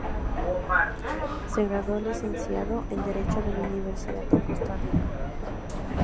Se graduó de Licenciado en Derecho de la Universidad de Costa Rica.